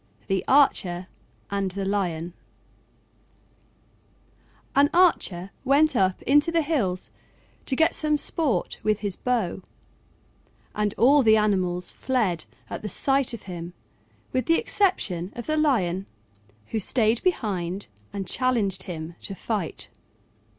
THE ARCHER AND THE LION An Archer went up into the hills to get some sport with his bow, and all the animals fled at the sight of him with the exception of the Lion, who stayed behind and challenged him to fight.